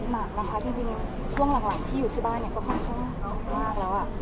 หนักนะคะจริงช่วงหลังที่อยู่ที่บ้านเนี่ยก็ค่อนข้างมากแล้ว